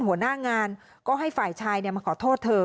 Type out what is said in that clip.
หัวหน้างานก็ให้ฝ่ายชายมาขอโทษเธอ